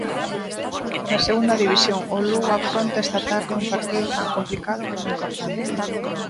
Na Segunda División, o Lugo afronta esta tarde un partido tan complicado como importante.